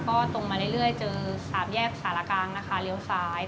ก็ตรงมาเรื่อยเจอสามแยกสารกลางนะคะเลี้ยวซ้าย